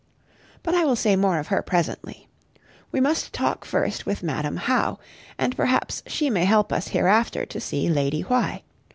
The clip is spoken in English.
But I will say more of her presently. We must talk first with Madam How, and perhaps she may help us hereafter to see Lady Why.